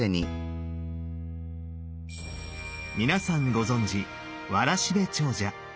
皆さんご存じ「わらしべ長者」。